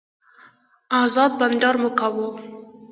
ازاد بانډار مو کاوه.